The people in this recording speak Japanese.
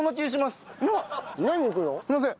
すいません。